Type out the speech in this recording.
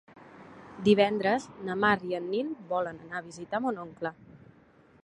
Divendres na Mar i en Nil volen anar a visitar mon oncle.